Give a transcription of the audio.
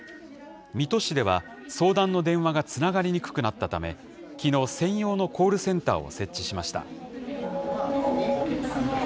水戸市では、相談の電話がつながりにくくなったため、きのう、専用のコールセンターを設置しました。